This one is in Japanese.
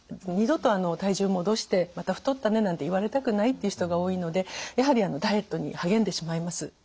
二度と体重を戻して「また太ったね」なんて言われたくないっていう人が多いのでやはりダイエットに励んでしまいます。